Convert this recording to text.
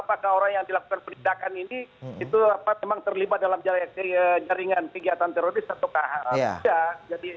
apakah orang yang dilakukan penindakan ini itu memang terlibat dalam jaringan kegiatan teroris atau tidak